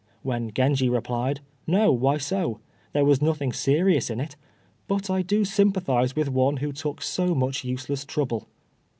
when Genji replied, "No, why so? there was nothing serious in it; but I do sympathize with one who took so much useless trouble."